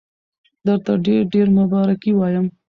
درته ډېر ډېر مبارکي وایم.